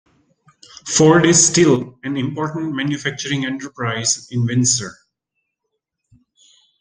Ford is still an important manufacturing enterprise in Windsor.